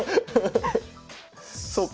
そうか。